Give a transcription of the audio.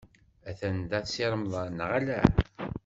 Atan da Si Remḍan, neɣ ala?